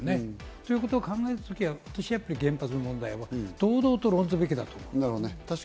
ということを考えたとき、私は原発の問題は堂々と論ずるべきだと思います。